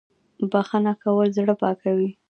بخښنه کول زړه پاکوي